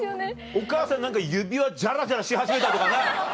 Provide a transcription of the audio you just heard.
お母さん何か指輪ジャラジャラし始めたとかない？